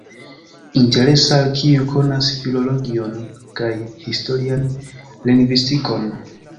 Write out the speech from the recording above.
Interesa al kiuj konas filologion kaj historian lingvistikon.